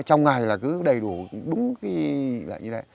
trong ngày là cứ đầy đủ đúng như thế